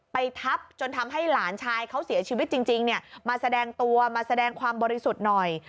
ทับจนทำให้หลานชายเขาเสียชีวิตจริงมาแสดงตัวมาแสดงความบริสุทธิ์หน่อย